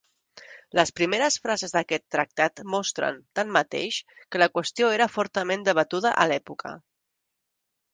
Les primeres frases d'aquest tractat mostren, tanmateix, que la qüestió era fortament debatuda a l'època.